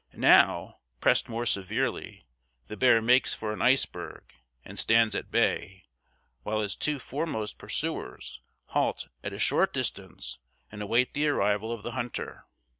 "Now, pressed more severely, the bear makes for an iceberg, and stands at bay, while his two foremost pursuers halt at a short distance and await the arrival of the hunter.